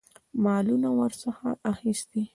مالونه ورڅخه اخیستي.